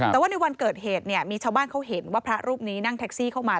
แต่ว่าในวันเกิดเหตุเนี่ยมีชาวบ้านเขาเห็นว่าพระรูปนี้นั่งแท็กซี่เข้ามา